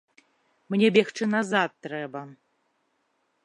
Мне бегчы назад трэба.